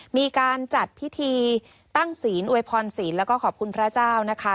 มีการจัดพิธีตั้งศีลอวยพรศีลแล้วก็ขอบคุณพระเจ้านะคะ